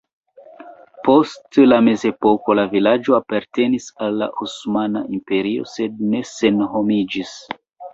Post la mezepoko la vilaĝo apartenis al la Osmana Imperio sed ne senhomiĝis.